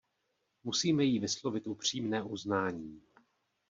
Musíme jí vyslovit upřímné uznání.